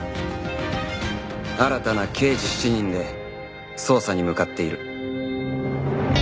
新たな刑事７人で捜査に向かっている